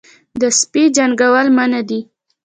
د سپي جنګول منع دي